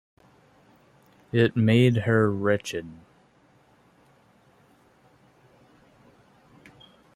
It made her wretched.